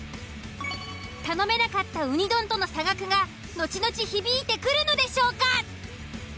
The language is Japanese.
頼めなかったうに丼との差額が後々響いてくるのでしょうか。